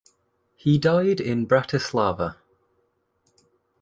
He died in Bratislava.